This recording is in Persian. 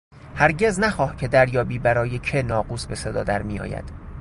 هرگز نخواه که دریابی برای که ناقوس به صدا در میآید...